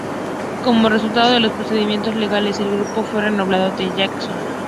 Como resultado de los procedimientos legales, el grupo fue renombrado The Jacksons.